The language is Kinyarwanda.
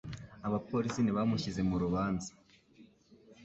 Abapolisi ntibamushyize mu rubanza.